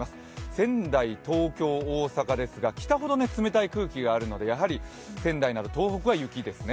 仙台、東京、大阪ですが北ほど冷たい空気がありますのでやはり仙台など東北は雪ですね。